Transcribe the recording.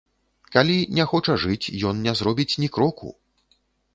Калі не хоча жыць, ён не зробіць ні кроку!